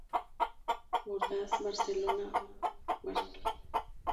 Ordaz, Barcelona, Pto.